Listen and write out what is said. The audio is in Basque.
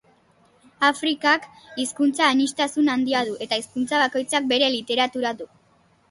Afrikak hizkuntza-aniztasun handia du eta hizkuntza bakoitzak bere literatura du.